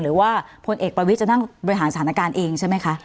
หรือว่าพลเอกประวิทย์จะนั่งบริหารสถานการณ์เองใช่ไหมคะ